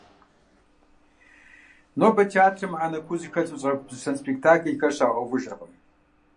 Нобэ театрым мыхьэнэ куу зыхэлъ, узыгъэгупсысэн спектакльхэр щагъэувыжыркъым.